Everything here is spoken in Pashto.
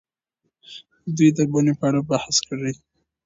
دوی د بڼې په اړه بحث کړی.